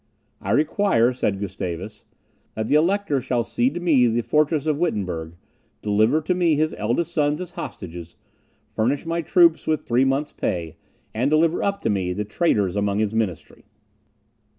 "I require," said Gustavus, "that the Elector shall cede to me the fortress of Wittenberg, deliver to me his eldest sons as hostages, furnish my troops with three months' pay, and deliver up to me the traitors among his ministry."